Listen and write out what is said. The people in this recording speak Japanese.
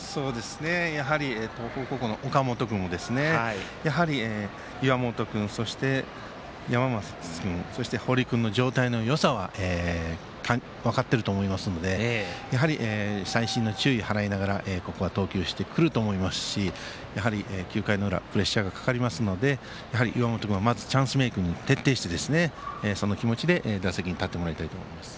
やはり東邦高校の岡本君岩本君、山増君堀君の状態のよさを分かっていると思いますので細心の注意を払いながら投球してくると思いますしプレッシャーがかかりますので岩本君はチャンスメイクに徹底して、その気持ちで打席に立ってもらいたいと思います。